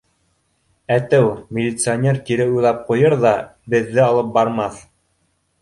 Әтеү, милиционер кире уйлап ҡуйыр ҙа, беҙҙе алып бармаҫ.